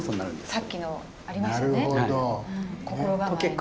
さっきのありましたね。